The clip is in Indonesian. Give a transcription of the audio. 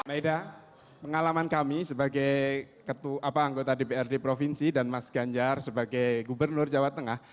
maida pengalaman kami sebagai anggota dprd provinsi dan mas ganjar sebagai gubernur jawa tengah